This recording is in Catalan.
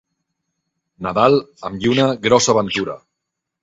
Nadal amb lluna, grossa ventura.